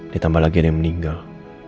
ditambah lagian yang meninggal